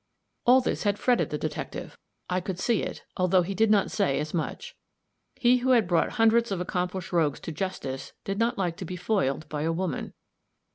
All this had fretted the detective; I could see it, although he did not say as much. He who had brought hundreds of accomplished rogues to justice did not like to be foiled by a woman.